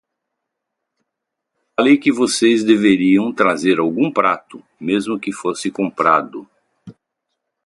Eu falei que vocês deveriam trazer algum prato, mesmo que fosse comprado.